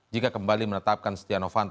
jika kembali menetapkan setia novanto